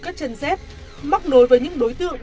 các chân dép móc nối với những đối tượng